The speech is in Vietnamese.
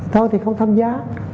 thôi thì không tham gia